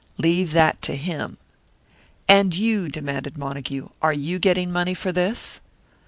"Leave that to him." "And you," demanded Montague; "you are getting money for this?"